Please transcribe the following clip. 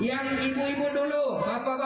yang ibu ibu dulu bapak bapak diam